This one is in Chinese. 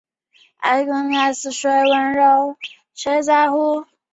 他出身自埃弗顿的青训系统。